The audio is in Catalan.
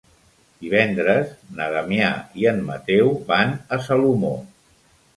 Divendres na Damià i en Mateu van a Salomó.